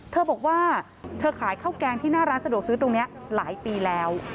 เธอบอกว่าเธอขายข้าวแกงที่หน้าร้านสะดวกซื้อตรงนี้หลายปีแล้ว